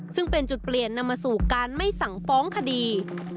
ซึ่งเป็นจุดเปลี่ยนนำมาสู่การไม่สั่งฟ้องคดี